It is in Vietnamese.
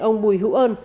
ông bùi hữu ơn